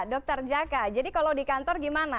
dr jaka jadi kalau di kantor gimana